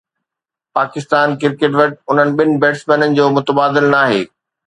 Pakistan cricket وٽ انهن ٻن بيٽسمينن جو متبادل ناهي